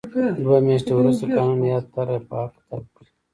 دوه میاشتې وروسته قانون یاده طرحه به حق تلف کړي.